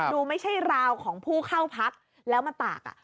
ดูไม่ใช่ราวของผู้เข้าพักแล้วมาตาก